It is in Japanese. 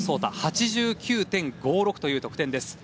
８９．５６という得点です。